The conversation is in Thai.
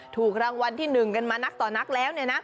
ถูกรางวัลที่๑กันมานักต่อนักแล้ว